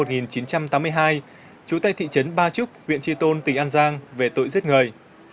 trú tại thị trấn ba trúc huyện tri tôn tỉnh an giang về tội giết người